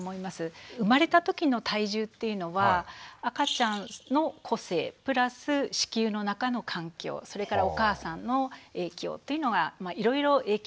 生まれたときの体重っていうのは赤ちゃんの個性プラス子宮の中の環境それからお母さんの影響というのがいろいろ影響を受けるわけですね。